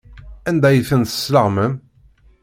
Anda ay ten-tesleɣmam?